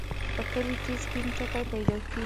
په کلي کې سپين ټکی پیدا کېږي.